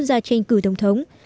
ra tranh cử tổng thống